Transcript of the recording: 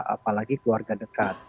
apalagi keluarga dekat